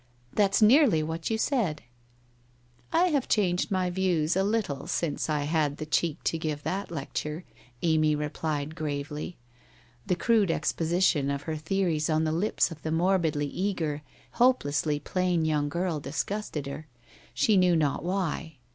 That's nearly what you said/ ' I have changed my views a little since I had the cheek to give that lecture,' Amy replied gravely. The crude exposition of her theories on the lips of the morbidly eager, hopelessly plain young girl disgusted, her; she knew not why.